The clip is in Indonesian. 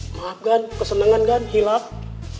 maaf gan kesenangan gan hilang